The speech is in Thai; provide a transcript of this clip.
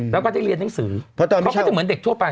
แล้วก็ได้เรียนหนังสือเขาก็จะเหมือนเด็กทั่วไป